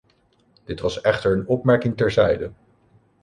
Dit was echter een opmerking terzijde.